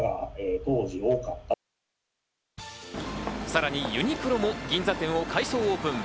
さらにユニクロも銀座店を改装オープン。